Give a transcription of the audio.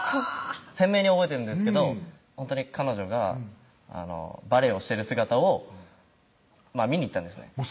鮮明に覚えてるんですけど彼女がバレーをしてる姿を見に行ったんですね